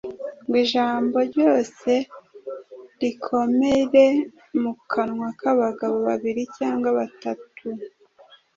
ngo ‘Ijambo ryose rikomere mu kanwa k’abagabo babiri cyangwa batatu.